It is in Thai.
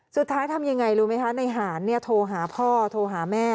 ทำยังไงรู้ไหมคะในหารโทรหาพ่อโทรหาแม่